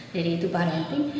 jadi itu paling penting